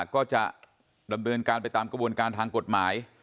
ก็จะดำเนินการไปตามกระบวนการทางกฎหมาย